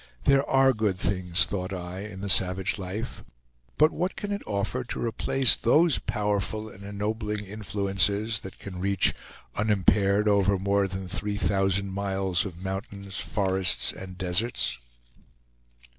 "There are good things," thought I, "in the savage life, but what can it offer to replace those powerful and ennobling influences that can reach unimpaired over more than three thousand miles of mountains, forests and deserts?"